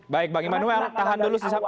baik bang immanuel tahan dulu sampai di situ